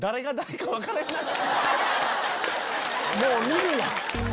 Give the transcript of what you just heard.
もう見るな！